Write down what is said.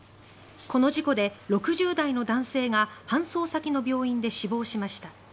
この事故で６０代の男性が搬送先の病院で死亡しました。